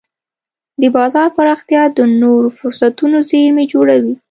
د بازار پراختیا د نوو فرصتونو زېرمې جوړوي.